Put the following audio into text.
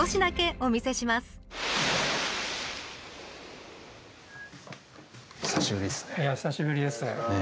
お久しぶりですね。